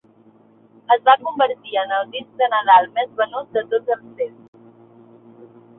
Es va convertir en el disc de Nadal més venut de tots els temps.